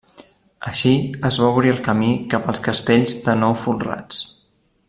Així es va obrir el camí cap als castells de nou folrats.